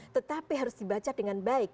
tetapi harus dibaca dengan baik